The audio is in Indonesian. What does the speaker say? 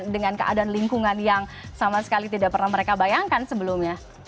dengan keadaan lingkungan yang sama sekali tidak pernah mereka bayangkan sebelumnya